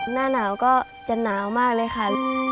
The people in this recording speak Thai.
หน้าหนาวก็จะหนาวมากเลยค่ะ